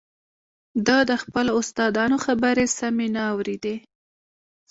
ده د خپلو استادانو خبرې سمې نه اورېدې